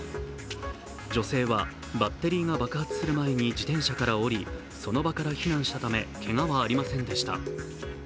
女性はバッテリーが爆発する前に自転車から降りその場から避難したためけがはありませんでした。